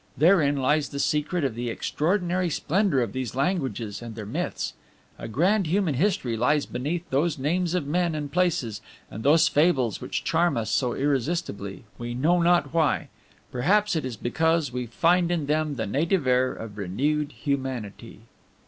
Therein lies the secret of the extraordinary splendor of those languages and their myths. A grand human history lies beneath those names of men and places, and those fables which charm us so irresistibly, we know not why. Perhaps it is because we find in them the native air of renewed humanity."